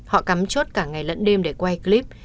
họ cắm chốt cả ngày lẫn đêm để quay clip